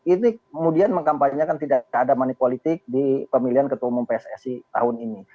ini kemudian mengkampanyekan tidak ada manipolitik di pemilihan ketua umum pssi tahun ini